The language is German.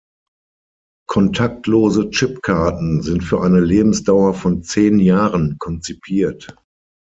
Kontaktlose Chipkarten sind für eine Lebensdauer von zehn Jahren konzipiert.